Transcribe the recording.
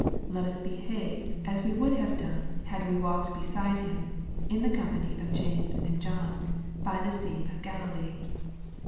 Let us behave as we would have done had we walked beside Him, in the company of James and John, by the sea of Galilee.